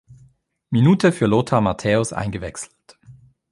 Minute für Lothar Matthäus eingewechselt.